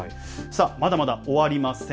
まだまだ終わりません。